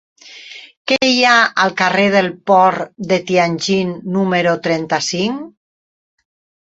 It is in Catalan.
Què hi ha al carrer del Port de Tianjin número trenta-cinc?